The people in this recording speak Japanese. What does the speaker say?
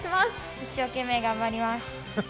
一生懸命頑張ります。